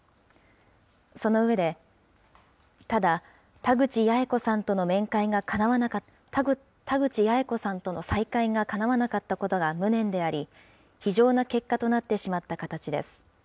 その上で、ただ、田口八重子さんとの再会がかなわなかったことが無念であり、非情な結果となってしまった形です。